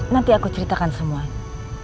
nanti aku ceritakan semuanya